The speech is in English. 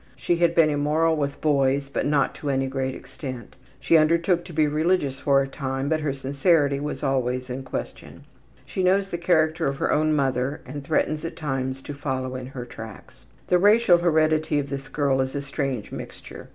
She had been immoral with boys, but not to any great extent. She undertook to be religious for a time, but her sincerity was always in question. She knows the character of her own mother and threatens at times to follow in her tracks. The racial heredity of this girl is a strange mixture.